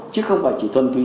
chứ không phải chỉ thuần túy